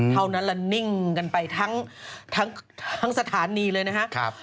เท่านั้นละนิ่งกันไปทั้งสถานีเลยนะครับ